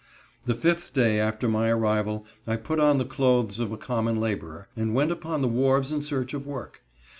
The fifth day after my arrival, I put on the clothes of a common laborer, and went upon the wharves in search of work.